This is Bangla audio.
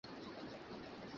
আমাদের সবার মধ্যমণি হয়ে উঠলে।